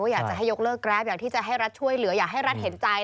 อยากจะให้ยกเลิกแกรปอยากที่จะให้รัฐช่วยเหลืออยากให้รัฐเห็นใจ